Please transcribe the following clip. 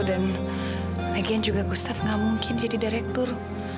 dan lagian juga gustaf nggak mungkin jadi direktur